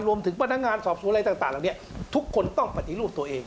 รวมถึงพนักงานสอบสู่อะไรต่างทุกคนต้องปฏิรูปตัวเอง